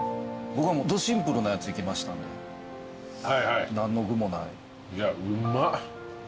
僕はドシンプルなやついきましたんで何の具もない。